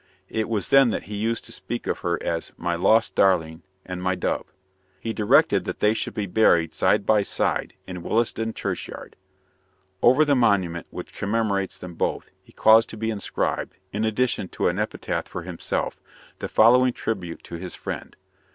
It was then that he used to speak of her as "my lost darling" and "my dove." He directed that they should be buried side by side in Willesden churchyard. Over the monument which commemorates them both, he caused to be inscribed, in addition to an epitaph for himself, the following tribute to his friend.